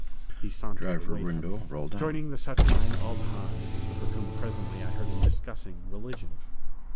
He sauntered away from me, joining the saturnine Ob Hahn, with whom presently I heard him discussing religion.